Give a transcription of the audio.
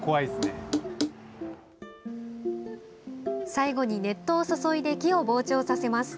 最後に熱湯を注いで木を膨張させます。